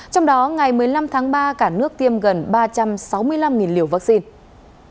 trong đó ngày một mươi năm tháng ba cả nước tiêm gần ba trăm sáu mươi năm liều vaccine